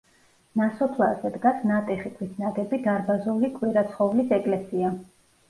ნასოფლარზე დგას ნატეხი ქვით ნაგები დარბაზული კვირაცხოვლის ეკლესია.